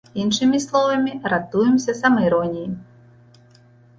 Іншымі словамі, ратуемся самаіроніяй!